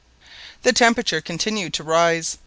The temperature continued to rise.